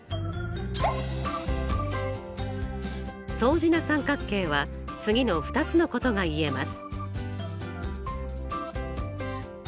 相似な三角形は次の２つのことが言えます。